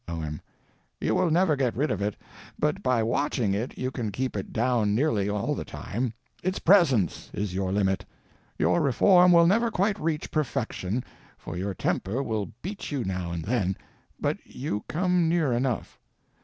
O.M. You will never get rid of it; but by watching it you can keep it down nearly all the time. _Its presence is your limit. _Your reform will never quite reach perfection, for your temper will beat you now and then, but you come near enough.